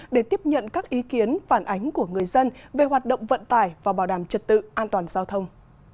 để tiếp nhận các ý kiến phản ánh của người dân về hoạt động vận tải và bảo đảm trật tự an toàn giao thông